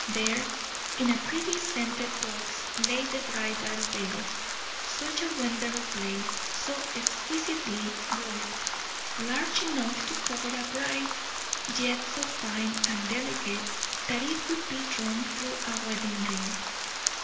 There, in a pretty scented box, lay the bridal veil such a wonder of lace, so exquisitely worked, large enough to cover a bride, yet so fine and delicate that it could be drawn through a wedding ring.